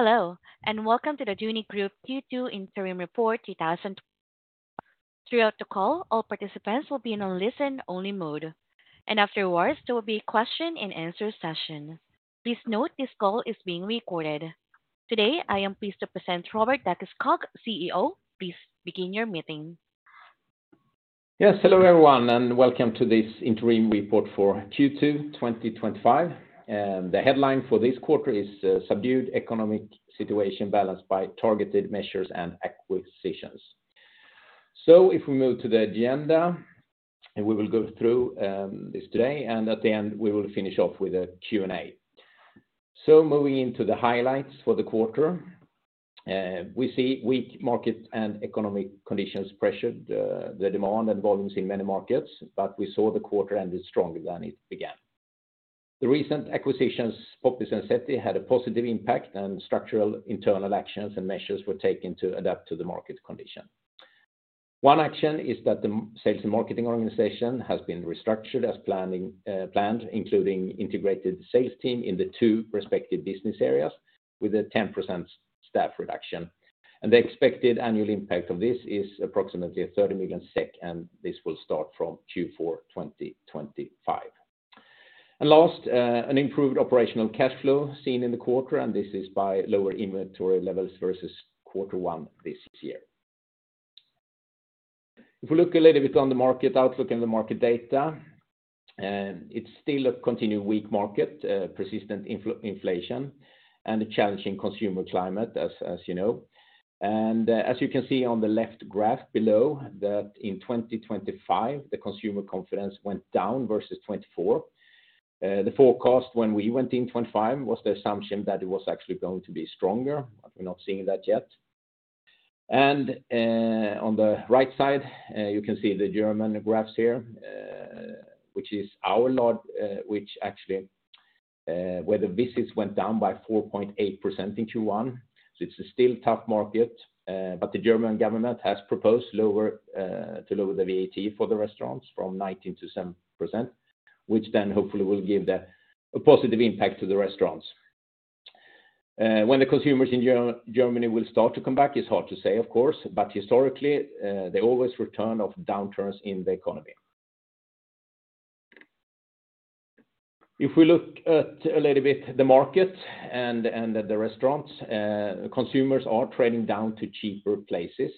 Hello, and welcome to the Duni Group Q2 interim report. Throughout the call, all participants will be in a listen-only mode, and afterwards, there will be a question-and-answer session. Please note this call is being recorded. Today, I am pleased to present Robert Dackeskog, CEO. Please begin your meeting. Yes. Hello, everyone, and welcome to this interim report for Q2 2025. The headline for this quarter is Subdued Economic Situation Balanced by Targeted Measures and Acquisitions. So, if we move to the agenda, we will go through this today, and at the end, we will finish off with a Q&A. So, moving into the highlights for the quarter, we see weak markets and economic conditions pressured the demand and volumes in many markets, but we saw the quarter ended stronger than it began. The recent acquisitions, Poppies and SETI, had a positive impact, and structural internal actions and measures were taken to adapt to the market condition. One action is that the sales and marketing organization has been restructured as planned, including integrated sales team in the two respective business areas with a 10% staff reduction. The expected annual impact of this is approximately 30 million SEK, and this will start from Q4 2025. Last, an improved operational cash flow seen in the quarter, and this is by lower inventory levels versus quarter one this year. If we look a little bit on the market outlook and the market data, it's still a continued weak market, persistent inflation, and a challenging consumer climate, as you know. And as you can see on the left graph below, in 2025, the consumer confidence went down versus 2024. The forecast when we went in 2025 was the assumption that it was actually going to be stronger, but we're not seeing that yet. On the right side, you can see the German graphs here, which is our log, actually, where the visits went down by 4.8% in Q1. It's still a tough market, but the German government has proposed to lower the VAT for the restaurants from 19% to 7%, which then hopefully will give a positive impact to the restaurants. When the consumers in Germany will start to come back, it's hard to say, of course, but historically, they always return off downturns in the economy. If we look at a little bit the market and the restaurants, consumers are trading down to cheaper places.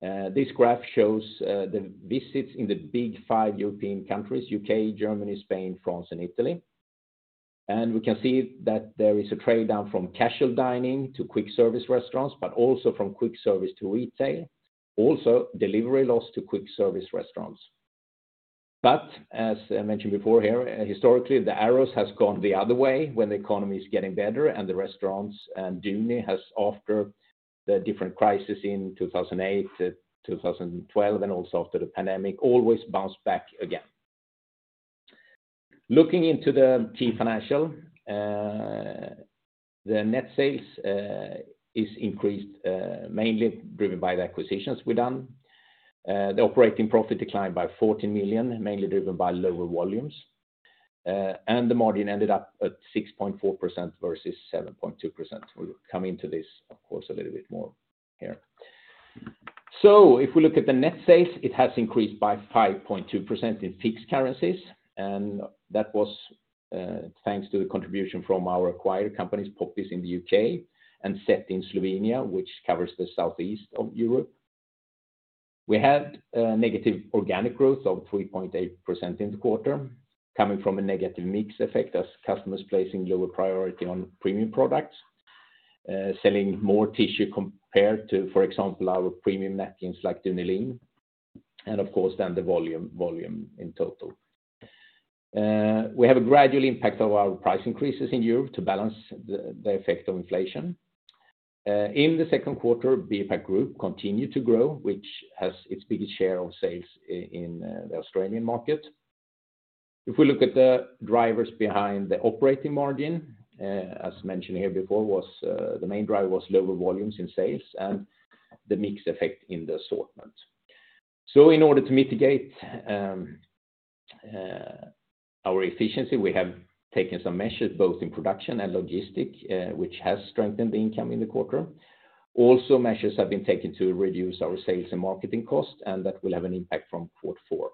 This graph shows the visits in the big five European countries: U.K., Germany, Spain, France, and Italy. We can see that there is a trade down from casual dining to quick-service restaurants, but also from quick-service to retail, also delivery loss to quick-service restaurants. As I mentioned before here, historically, the arrows have gone the other way when the economy is getting better, and the restaurants and Duni has, after the different crises in 2008, 2012, and also after the pandemic, always bounced back again. Looking into the key financial, the net sales is increased, mainly driven by the acquisitions we've done. The operating profit declined by 14 million, mainly driven by lower volumes. The margin ended up at 6.4% versus 7.2%. We'll come into this, of course, a little bit more here. If we look at the net sales, it has increased by 5.2% in fixed currencies, and that was thanks to the contribution from our acquired companies, Poppies in the U.K. and SETI in Slovenia, which covers the southeast of Europe. We had negative organic growth of 3.8% in the quarter, coming from a negative mix effect as customers placing lower priority on premium products, selling more tissue compared to, for example, our premium napkins like Dunilin. Of course, then the volume in total. We have a gradual impact of our price increases in Europe to balance the effect of inflation. In the second quarter, BioPak Group continued to grow, which has its biggest share of sales in the Australian market. If we look at the drivers behind the operating margin, as mentioned here before, the main driver was lower volumes in sales and the mix effect in the assortment. In order to mitigate our efficiency, we have taken some measures both in production and logistics, which has strengthened the income in the quarter. Also, measures have been taken to reduce our sales and marketing costs, and that will have an impact from quarter four.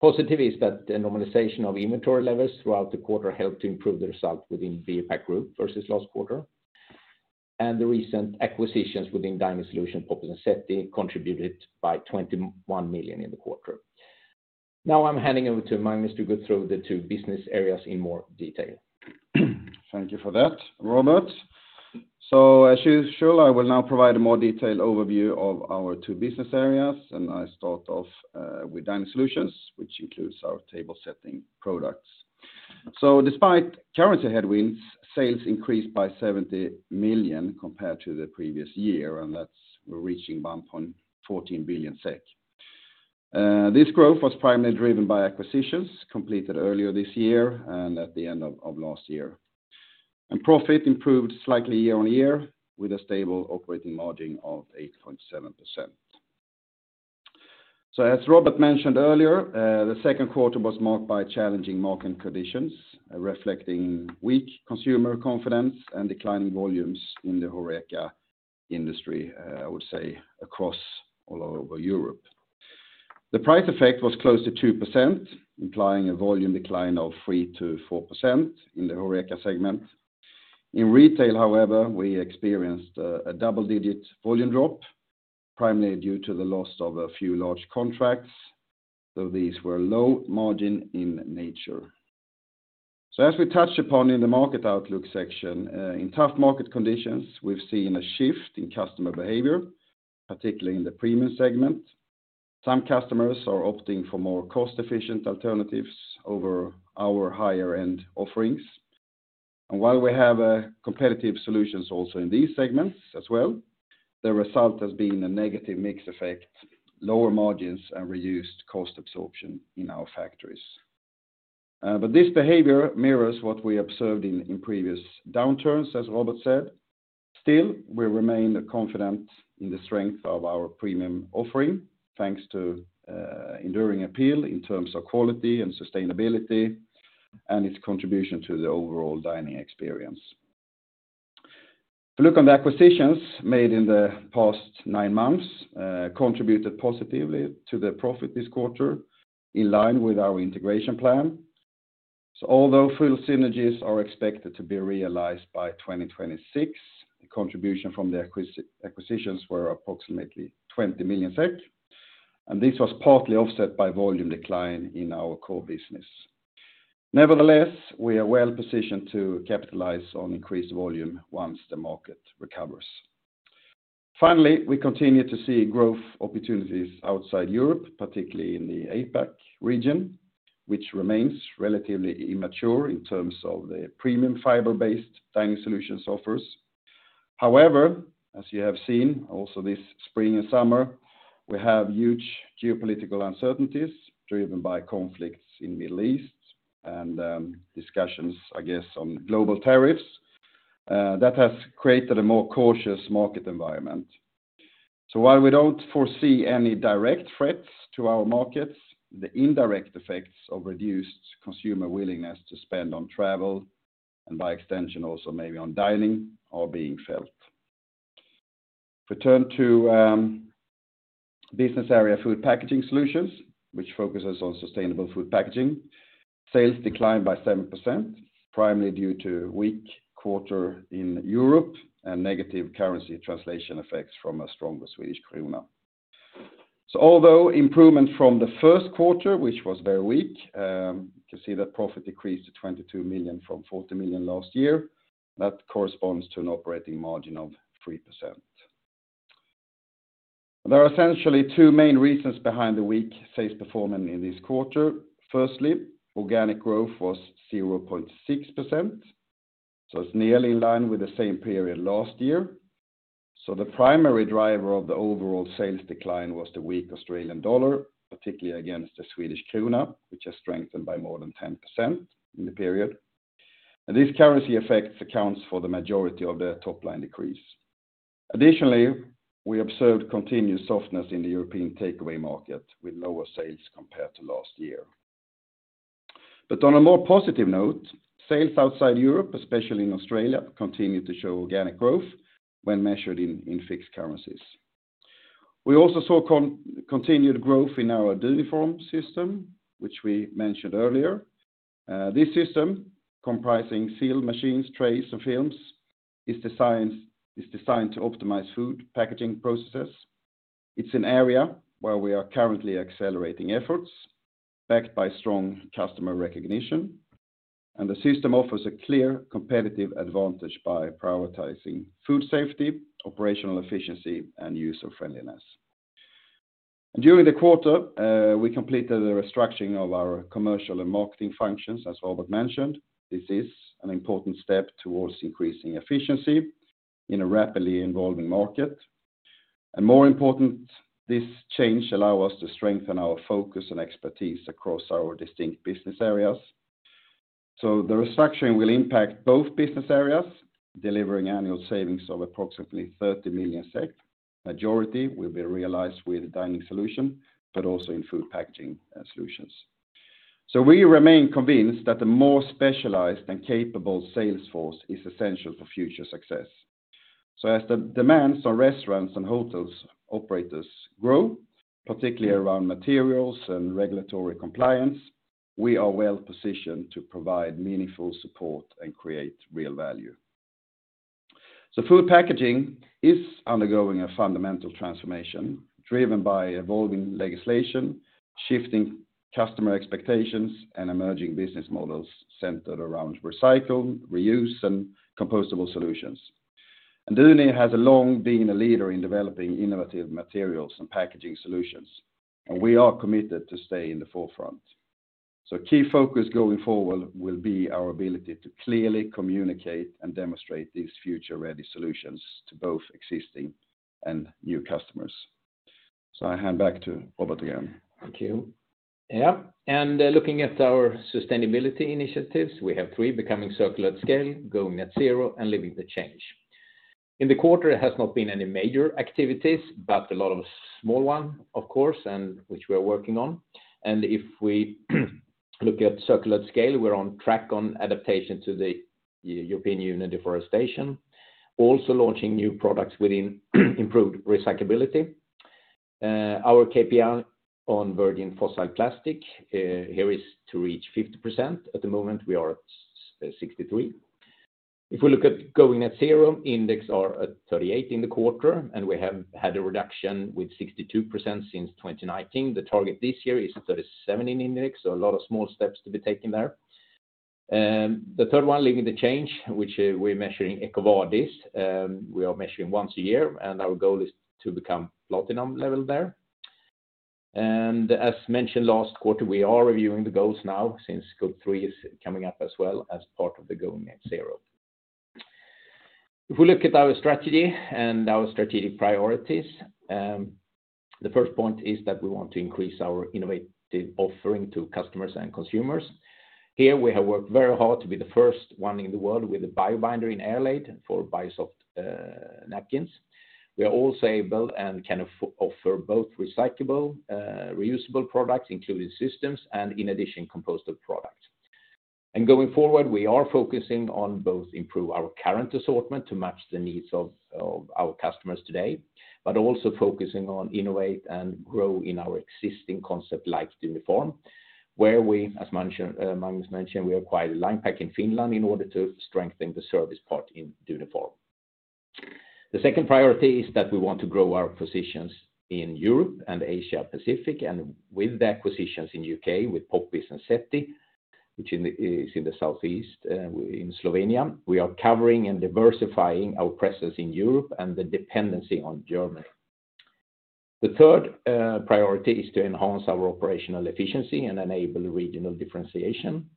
Positive is that the normalization of inventory levels throughout the quarter helped to improve the result within BioPak Group versus last quarter. The recent acquisitions within Dining Solutions, Poppies, and SETI, contributed by 21 million in the quarter. Now I'm handing over to Magnus to go through the two business areas in more detail. Thank you for that, Robert. As usual, I will now provide a more detailed overview of our two business areas, and I start off with Dining Solutions, which includes our table setting products. Despite currency headwinds, sales increased by 70 million compared to the previous year, reaching 1.14 billion SEK. This growth was primarily driven by acquisitions completed earlier this year and at the end of last year. Profit improved slightly year-on-year with a stable operating margin of 8.7%. As Robert mentioned earlier, the second quarter was marked by challenging market conditions, reflecting weak consumer confidence and declining volumes in the HoReCa industry, I would say, across all over Europe. The price effect was close to 2%, implying a volume decline of 3%-4% in the HoReCa segment. In retail, however, we experienced a double-digit volume drop, primarily due to the loss of a few large contracts, though these were low margin in nature. As we touched upon in the market outlook section, in tough market conditions, we've seen a shift in customer behavior, particularly in the premium segment. Some customers are opting for more cost-efficient alternatives over our higher-end offerings. While we have competitive solutions also in these segments as well, the result has been a negative mix effect, lower margins, and reduced cost absorption in our factories. This behavior mirrors what we observed in previous downturns, as Robert said. Still, we remain confident in the strength of our premium offering, thanks to enduring appeal in terms of quality and sustainability and its contribution to the overall dining experience. If we look on the acquisitions made in the past nine months, they contributed positively to the profit this quarter, in line with our integration plan. Although full synergies are expected to be realized by 2026, the contribution from the acquisitions were approximately 20 million SEK, and this was partly offset by volume decline in our core business. Nevertheless, we are well positioned to capitalize on increased volume once the market recovers. Finally, we continue to see growth opportunities outside Europe, particularly in the APEC region, which remains relatively immature in terms of the premium fiber-based Dining Solutions offers. However, as you have seen also this spring and summer, we have huge geopolitical uncertainties driven by conflicts in the Middle East and discussions, I guess, on global tariffs. That has created a more cautious market environment. While we don't foresee any direct threats to our markets, the indirect effects of reduced consumer willingness to spend on travel, and by extension, also maybe on dining, are being felt. If we turn to the business area of Food Packaging Solutions, which focuses on sustainable food packaging, sales declined by 7%, primarily due to a weak quarter in Europe and negative currency translation effects from a stronger Swedish krona. Although improvement from the first quarter, which was very weak, you can see that profit decreased to 22 million from 40 million last year. That corresponds to an operating margin of 3%. There are essentially two main reasons behind the weak sales performance in this quarter. Firstly, organic growth was 0.6%, so it's nearly in line with the same period last year. The primary driver of the overall sales decline was the weak Australian dollar, particularly against the Swedish krona, which has strengthened by more than 10% in the period. This currency effect accounts for the majority of the top-line decrease. Additionally, we observed continued softness in the European takeaway market with lower sales compared to last year. But on a more positive note, sales outside Europe, especially in Australia, continue to show organic growth when measured in fixed currencies. We also saw continued growth in our Duniform system, which we mentioned earlier. This system, comprising sealed machines, trays, and films, is designed to optimize food packaging processes. It's an area where we are currently accelerating efforts backed by strong customer recognition, and the system offers a clear competitive advantage by prioritizing food safety, operational efficiency, and user-friendliness. During the quarter, we completed the restructuring of our commercial and marketing functions, as Robert mentioned. This is an important step towards increasing efficiency in a rapidly evolving market. More important, this change allows us to strengthen our focus and expertise across our distinct business areas. So the restructuring will impact both business areas, delivering annual savings of approximately 30 million SEK. The majority will be realized with Dining Solutions, but also in Food Packaging Solutions. We remain convinced that a more specialized and capable sales force is essential for future success. As the demands on restaurants and hotel operators grow, particularly around materials and regulatory compliance, we are well positioned to provide meaningful support and create real value. Food packaging is undergoing a fundamental transformation driven by evolving legislation, shifting customer expectations, and emerging business models centered around recycling, reuse, and compostable solutions. Duni has long been a leader in developing innovative materials and packaging solutions, and we are committed to stay in the forefront. A key focus going forward will be our ability to clearly communicate and demonstrate these future-ready solutions to both existing and new customers. I hand back to Robert again. Thank you. Yeah. Looking at our sustainability initiatives, we have three: becoming circular at scale, going net zero, and living the change. In the quarter, there have not been any major activities, but a lot of small ones, of course, which we are working on. If we look at circular at scale, we're on track on adaptation to the European Union deforestation, also launching new products within improved recyclability. Our KPI on virgin fossil plastic here is to reach 50%. At the moment, we are at 63%. If we look at going net zero, index are at 38 in the quarter, and we have had a reduction with 62% since 2019. The target this year is 37 in index, so a lot of small steps to be taken there. The third one, living the change, which we're measuring EcoVadis. We are measuring once a year, and our goal is to become platinum level there. As mentioned last quarter, we are reviewing the goals now since code three is coming up as well as part of the going net zero. If we look at our strategy and our strategic priorities, the first point is that we want to increase our innovative offering to customers and consumers. Here, we have worked very hard to be the first one in the world with a biobinder in airlaid for Bio Dunisoft napkins. We are also able and can offer both recyclable, reusable products, including systems, and in addition, compostable products. Going forward, we are focusing on both improving our current assortment to match the needs of our customers today, but also focusing on innovating and growing in our existing concept like Duniform, where we, as Magnus mentioned, we acquired LinePack in Finland in order to strengthen the service part in Duniform. The second priority is that we want to grow our acquisitions in Europe and Asia-Pacific, and with the acquisitions in the U.K. with Poppies and SETI, which is in the southeast, in Slovenia, we are covering and diversifying our presence in Europe and the dependency on Germany. The third priority is to enhance our operational efficiency and enable regional differentiation.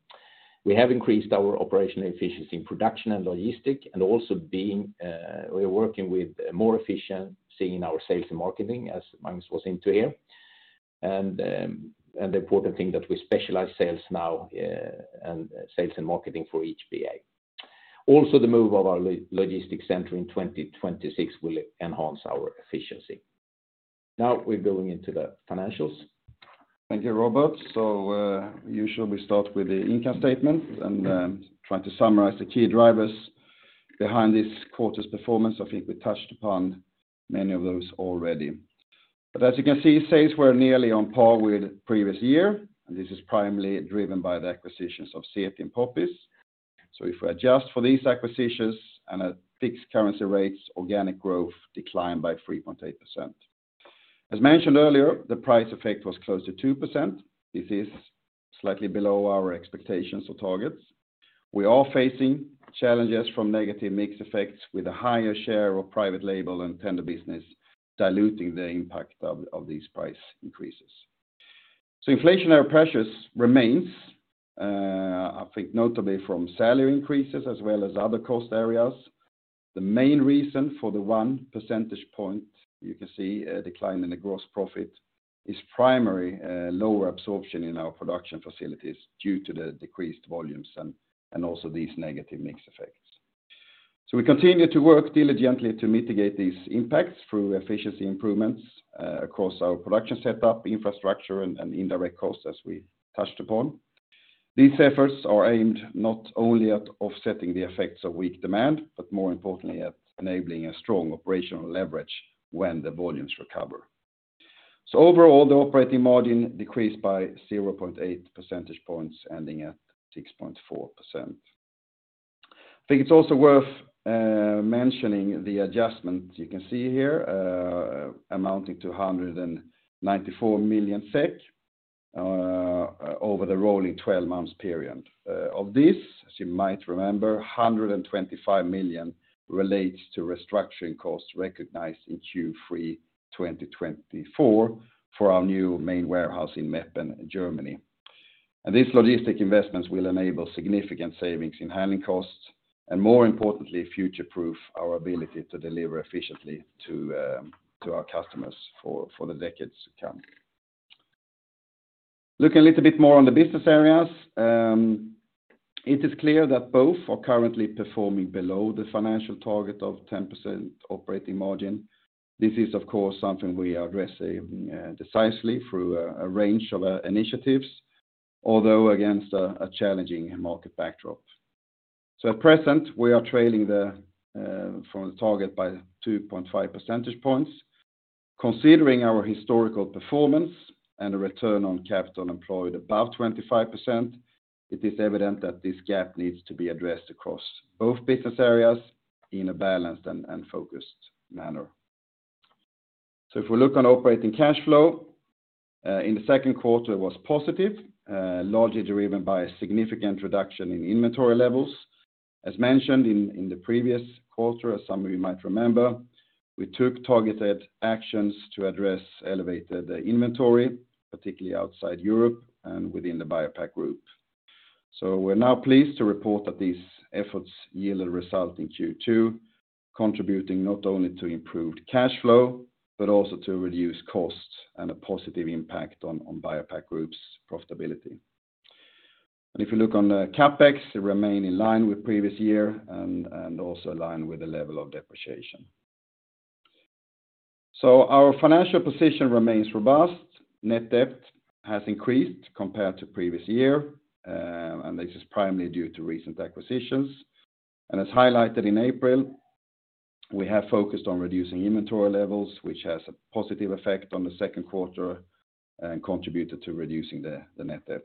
We have increased our operational efficiency in production and logistics, and also we are working with more efficiency in our sales and marketing, as Magnus was into here. The important thing is that we specialize sales now and sales and marketing for each BA. Also, the move of our logistics center in 2026 will enhance our efficiency. Now we're going into the financials. Thank you, Robert. Usually, we start with the income statement and try to summarize the key drivers behind this quarter's performance. I think we touched upon many of those already. As you can see, sales were nearly on par with the previous year, and this is primarily driven by the acquisitions of SETI and Poppies. If we adjust for these acquisitions and at fixed currency rates, organic growth declined by 3.8%. As mentioned earlier, the price effect was close to 2%. This is slightly below our expectations or targets. We are facing challenges from negative mix effects with a higher share of private label and tender business diluting the impact of these price increases. Inflationary pressures remains, I think, notably from salary increases as well as other cost areas. The main reason for the one percentage point you can see a decline in the gross profit is primarily lower absorption in our production facilities due to the decreased volumes and also these negative mix effects. We continue to work diligently to mitigate these impacts through efficiency improvements across our production setup, infrastructure, and indirect costs, as we touched upon. These efforts are aimed not only at offsetting the effects of weak demand, but more importantly, at enabling a strong operational leverage when the volumes recover. Overall, the operating margin decreased by 0.8 percentage points, ending at 6.4%. I think it's also worth mentioning the adjustment you can see here, amounting to 194 million SEK over the rolling 12-month period. Of this, as you might remember, 125 million relates to restructuring costs recognized in Q3 2024 for our new main warehouse in Meppen, Germany. These logistic investments will enable significant savings in handling costs and, more importantly, future-proof our ability to deliver efficiently to our customers for the decades to come. Looking a little bit more on the business areas, it is clear that both are currently performing below the financial target of 10% operating margin. This is, of course, something we are addressing decisively through a range of initiatives, although against a challenging market backdrop. At present, we are trailing from the target by 2.5 percentage points. Considering our historical performance and the return on capital employed above 25%, it is evident that this gap needs to be addressed across both business areas in a balanced and focused manner. If we look on operating cash flow, in the second quarter, it was positive, largely driven by a significant reduction in inventory levels. As mentioned in the previous quarter, as some of you might remember, we took targeted actions to address elevated inventory, particularly outside Europe and within the BioPak Group. We're now pleased to report that these efforts yielded a result in Q2, contributing not only to improved cash flow, but also to reduced costs and a positive impact on BioPak Group's profitability. If we look on the CapEx, it remained in line with the previous year and also in line with the level of depreciation. Our financial position remains robust. Net debt has increased compared to the previous year, and this is primarily due to recent acquisitions. As highlighted in April, we have focused on reducing inventory levels, which has a positive effect on the second quarter and contributed to reducing the net debt.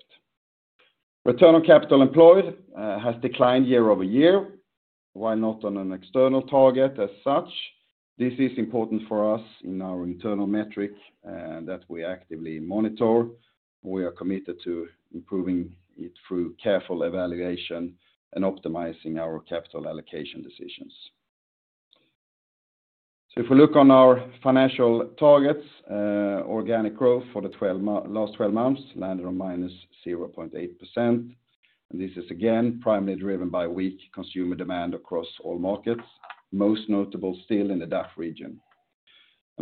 Return on capital employed has declined year-over-year, while not on an external target as such. This is important for us in our internal metric that we actively monitor. We are committed to improving it through careful evaluation and optimizing our capital allocation decisions. If we look on our financial targets, organic growth for the last 12 months landed on -0.8%. This is again primarily driven by weak consumer demand across all markets, most notable still in the DACH region.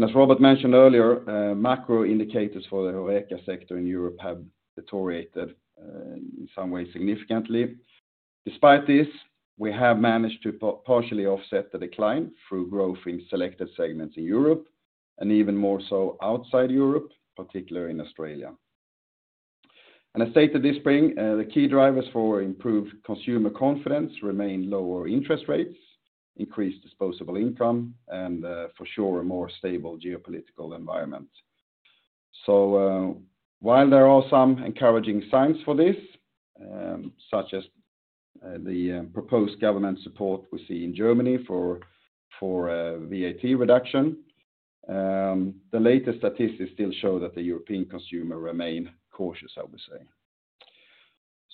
As Robert mentioned earlier, macro indicators for the HoReCa sector in Europe have deteriorated in some way significantly. Despite this, we have managed to partially offset the decline through growth in selected segments in Europe and even more so outside Europe, particularly in Australia. As stated this spring, the key drivers for improved consumer confidence remain lower interest rates, increased disposable income, and for sure, a more stable geopolitical environment. While there are some encouraging signs for this, such as the proposed government support we see in Germany for VAT reduction, the latest statistics still show that the European consumer remains cautious, I would say.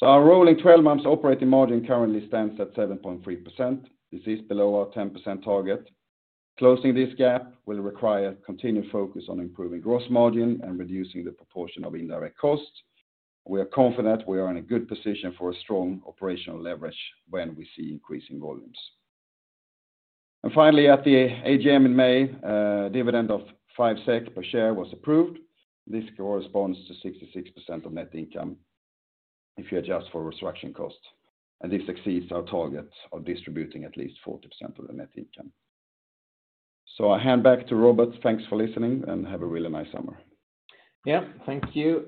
Our rolling 12-months operating margin currently stands at 7.3%. This is below our 10% target. Closing this gap will require continued focus on improving gross margin and reducing the proportion of indirect costs. We are confident we are in a good position for a strong operational leverage when we see increasing volumes. Finally at the AGM in May, a dividend of 5 SEK per share was approved. This corresponds to 66% of net income if you adjust for a restructuring cost. This exceeds our target of distributing at least 40% of the net income. I hand back to Robert. Thanks for listening and have a really nice summer. Thank you.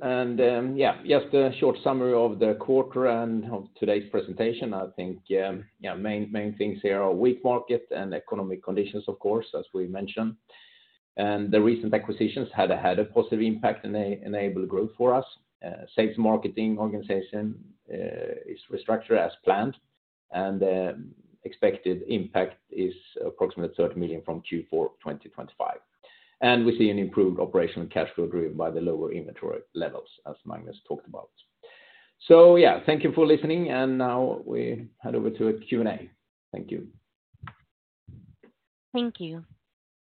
Just a short summary of the quarter and of today's presentation. I think the main things here are weak market and economic conditions, of course, as we mentioned. The recent acquisitions had a positive impact and enabled growth for us. The sales and marketing organization is restructured as planned, and the expected impact is approximately 30 million from Q4 2025. We see an improved operational cash flow driven by the lower inventory levels, as Magnus talked about. Thank you for listening. Now we head over to a Q&A. Thank you. Thank you.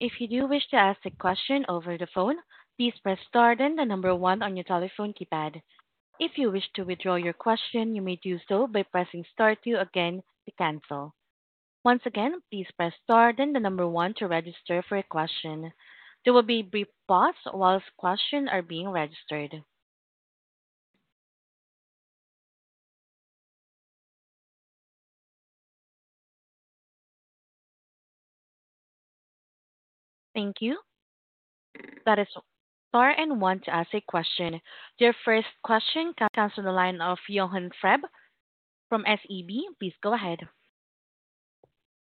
If you do wish to ask a question over the phone, please press star then the number one on your telephone keypad. If you wish to withdraw your question, you may do so by pressing star two again to cancel. Once again, please press star then the number one to register for a question. There will be a brief pause while questions are being registered. Thank you. That is star and one to ask a question. Your first question, comes from the line of Johan Fred from SEB. Please go ahead.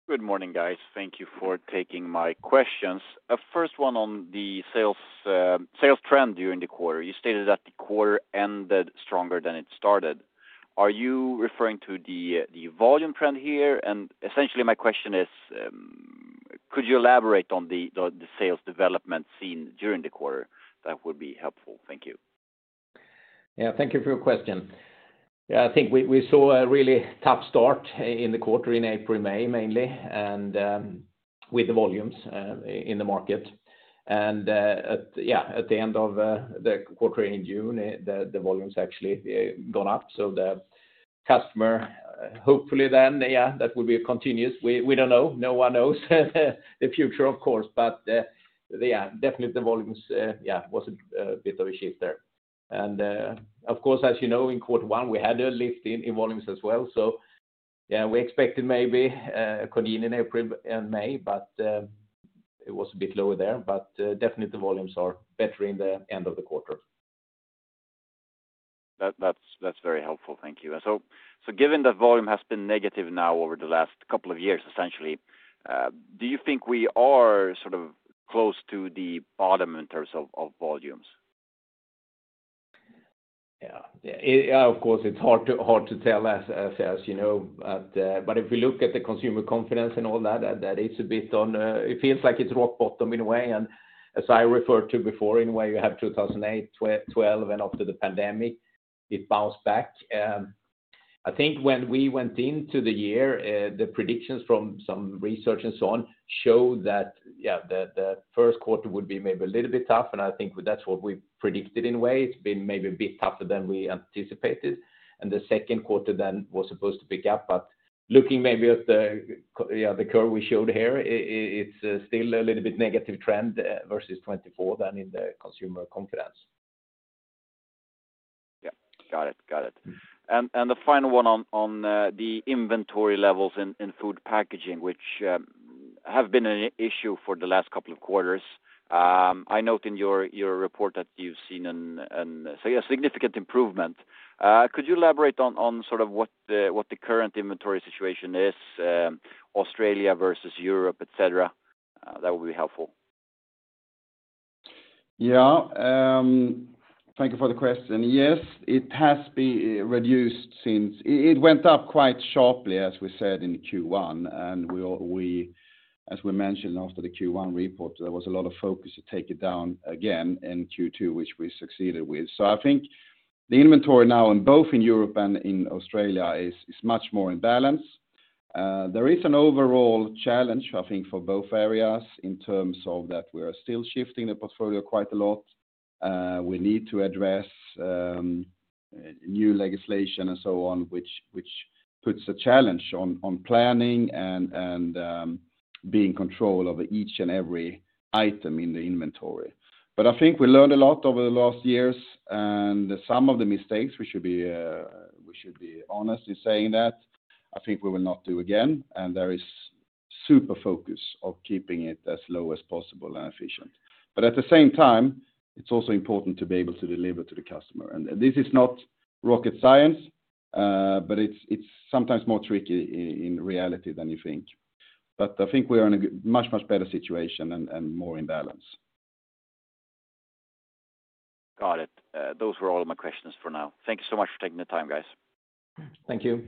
Good morning, guys. Thank you for taking my questions. A first one on the sales trend during the quarter. You stated that the quarter ended stronger than it started. Are you referring to the volume trend here? My question is, could you elaborate on the sales development seen during the quarter? That would be helpful. Thank you. Thank you for your question. I think we saw a really tough start in the quarter in April and May mainly, with the volumes in the market. At the end of the quarter in June, the volumes actually gone up. The customer, hopefully then, that will be continuous. We don't know. No one knows the future, of course. Definitely the volumes was a bit of a shift there. As you know, in quarter one, we had a lift in volumes as well. We expected maybe a convenience in April and May, but it was a bit lower there. Definitely, the volumes are better in the end of the quarter. That's very helpful. Thank you. Given that volume has been negative now over the last couple of years, essentially, do you think we are sort of close to the bottom in terms of volumes? Yeah, of course, it's hard to tell, as you know. If we look at the consumer confidence and all that, it's a bit on, it feels like it's rock bottom in a way. As I referred to before, in a way, you have 2008, 2012, and after the pandemic, it bounced back. I think when we went into the year, the predictions from some research and so on showed that, yeah, the first quarter would be maybe a little bit tough. I think that's what we predicted in a way. It's been maybe a bit tougher than we anticipated. The second quarter then was supposed to pick up. Looking maybe at the curve we showed here, it's still a little bit negative trend versus 2024 then in the consumer confidence. Got it. The final one on the inventory levels in food packaging, which have been an issue for the last couple of quarters. I note in your report that you've seen a significant improvement. Could you elaborate on what the current inventory situation is, Australia versus Europe, etc.? That would be helpful. Thank you for the question. Yes, it has been reduced since it went up quite sharply, as we said, in Q1. As we mentioned after the Q1 report, there was a lot of focus to take it down again in Q2, which we succeeded with. I think the inventory now in both Europe and in Australia is much more in balance. There is an overall challenge, I think, for both areas in terms of that we are still shifting the portfolio quite a lot. We need to address new legislation and so on, which puts a challenge on planning and being in control of each and every item in the inventory. But I think we learned a lot over the last years, and some of the mistakes, we should be honest in saying that, I think we will not do again. There is super focus on keeping it as low as possible and efficient. At the same time, it's also important to be able to deliver to the customer. This is not rocket science, but it's sometimes more tricky in reality than you think. I think we are in a much, much better situation and more in balance. Got it. Those were all of my questions for now. Thank you so much for taking the time, guys. Thank you.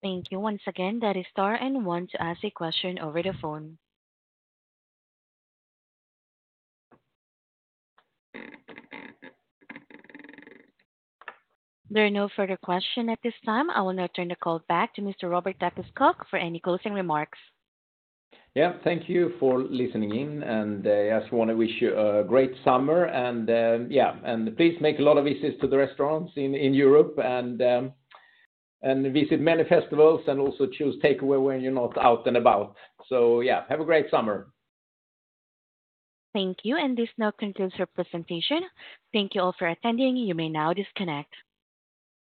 Thank you. Once again, that is star and one to ask a question over the phone. There are no further questions at this time. I will now turn the call back to Mr. Robert Dackeskog for any closing remarks. Thank you for listening in. I just want to wish you a great summer. Please make a lot of visits to the restaurants in Europe and visit many festivals, and also choose takeaway when you're not out and about. Have a great summer. Thank you. This now concludes our presentation. Thank you all for attending. You may now disconnect.